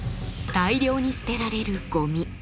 大量に捨てられるごみ。